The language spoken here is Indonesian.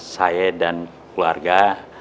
saya dan keluarga